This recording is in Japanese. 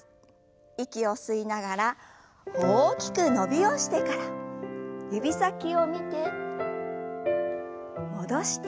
息を吸いながら大きく伸びをしてから指先を見て戻して。